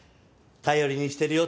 頼りにしてるよ